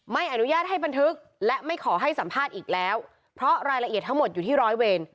ไม่อนุญาตให้บันทึกและไม่ขอให้สัมภาษณ์อีกแล้วเพราะรายละเอียดทั้งหมดอยู่ที่ร้อยเวร